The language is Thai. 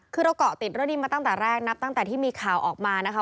คือเราเกาะติดเรื่องนี้มาตั้งแต่แรกนับตั้งแต่ที่มีข่าวออกมานะคะ